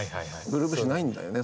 グルーブしないんだよね